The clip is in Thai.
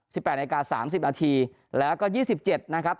แปดนาทีสามสิบนาทีแล้วก็ยี่สิบเจ็ดนะครับ